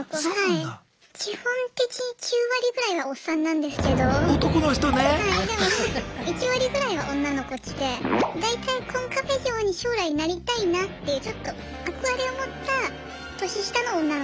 でも１割ぐらいは女の子来て大体コンカフェ嬢に将来なりたいなっていうちょっと憧れを持った年下の女の子が多いですね。